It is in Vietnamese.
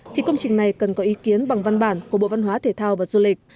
thì công trình này cần có ý kiến bằng văn bản của bộ văn hóa thể thao và du lịch